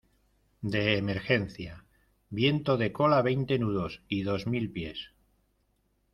de emergencia, viento de cola veinte nudos y dos mil pies.